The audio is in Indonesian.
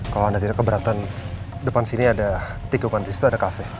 kalau anda tidak keberatan depan sini ada tiket panggilan disitu ada kafe